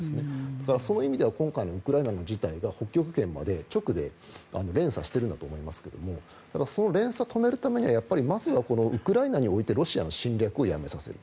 だから、そういう意味では今回のウクライナの事態が北極圏まで直で連鎖しているんだと思いますがその連鎖を止めるにはやっぱりまずはウクライナにおいてロシアの侵略をやめさせる。